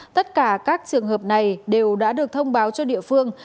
tất cả các trường hợp này đều đã được thông báo cho địa phương